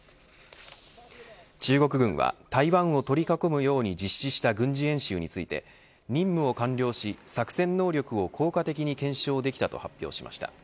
中国軍は台湾を取り囲むように実施した軍事演習について任務を完了し作戦能力を効果的に検証できたと発表しました。